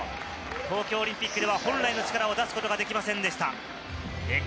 東京オリンピックでは本来の力を出すことができませんでした。